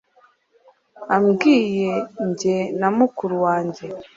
ambwiye jye na mukuru wanjye